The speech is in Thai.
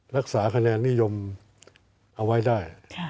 รักษาคะแนนนิยมเอาไว้ได้